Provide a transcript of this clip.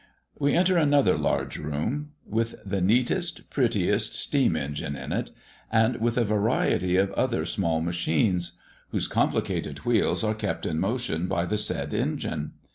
We enter another large room, with the neatest, prettiest steam engine in it, and with a variety of other small machines, whose complicated wheels are kept in motion by the said engine.